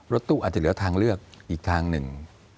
รถตู้อาจจะเหลือทางเลือกอีกทางหนึ่ง